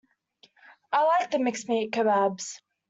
I like mixed meat kebabs.